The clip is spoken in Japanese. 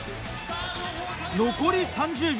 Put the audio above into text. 残り３０秒。